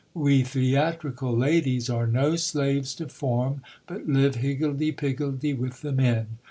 We theatrical ladies are no slaves to form, but live higgledy piggledy with the men.